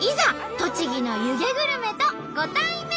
栃木の湯気グルメとご対面！